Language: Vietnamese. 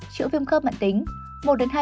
chữa viêm khớp mạng tính